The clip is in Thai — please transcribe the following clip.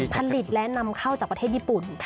ผลิตและนำเข้าจากประเทศญี่ปุ่น